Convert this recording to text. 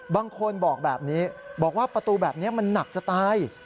บางคนบอกแบบนี้บอกว่าประตูแบบนี้มันหนักจะตาย